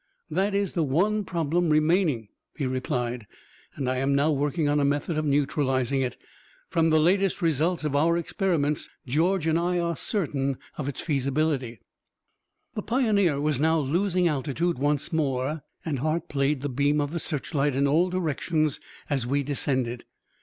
"That is the one problem remaining," he replied; "and I am now working on a method of neutralizing it. From the latest results of our experiments, George and I are certain of its feasibility." The Pioneer was now losing altitude once more, and Hart played the beam of the searchlight in all directions as we descended.